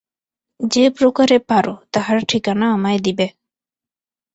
যে প্রকারে পার, তাহার ঠিকানা আমায় দিবে।